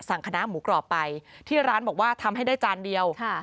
คณะหมูกรอบไปที่ร้านบอกว่าทำให้ได้จานเดียว